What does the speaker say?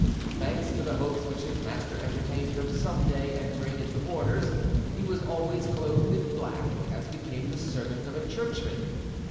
Thanks to the hopes which his master entertained of someday entering into orders, he was always clothed in black, as became the servant of a churchman.